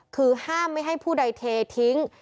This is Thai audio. คือห้ามไม่ให้ผู้ใดเททิ้ง